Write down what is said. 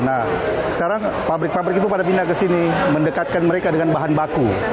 nah sekarang pabrik pabrik itu pada pindah ke sini mendekatkan mereka dengan bahan baku